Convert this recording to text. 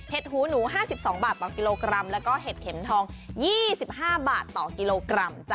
หูหนู๕๒บาทต่อกิโลกรัมแล้วก็เห็ดเข็มทอง๒๕บาทต่อกิโลกรัมจ้